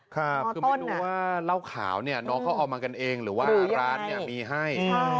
คือไม่รู้ว่าเล่าข่าวน้องเขาเอามากันเองหรือว่าร้านมีให้